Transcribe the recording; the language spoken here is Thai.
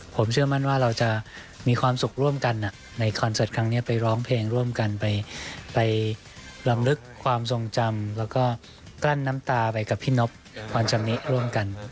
ผมเชื่อมั่นว่าเราจะมีความสุขร่วมกันในคอนเสิร์ตครั้งนี้ไปร้องเพลงร่วมกันไปลำลึกความทรงจำแล้วก็กลั้นน้ำตาไปกับพี่นบความชำนิร่วมกัน